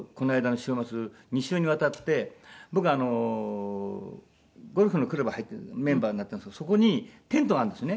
僕あのゴルフのクラブ入ってるメンバーになったんですけどそこにテントがあるんですね。